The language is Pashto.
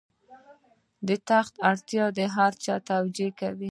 د تخت اړتیا هر څه توجیه کوي.